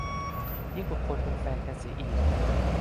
ยิ่งกว่าคนเป็นแฟนกันเสียอีก